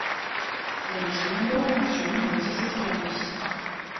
Жанчына была на сёмым месяцы цяжарнасці.